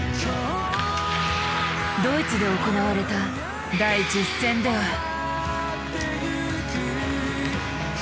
ドイツで行われた第１０戦では。